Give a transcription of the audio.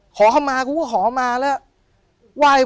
ผมก็ไม่เคยเห็นว่าคุณจะมาทำอะไรให้คุณหรือเปล่า